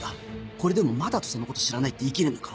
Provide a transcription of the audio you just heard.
これでもまだ土佐のこと知らないって言い切れんのか？